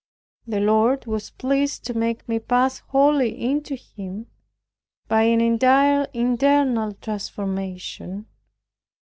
The Lord was pleased to make me pass wholly into Him by an entire internal transformation.